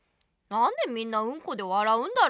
なんでみんなウンコで笑うんだろう？